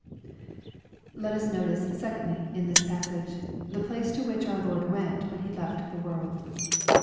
Let us notice, secondly, in this passage, (he place to which our Lord went when He left the world.